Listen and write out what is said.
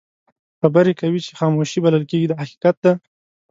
خبرې کوي چې خاموشي بلل کېږي دا حقیقت دی.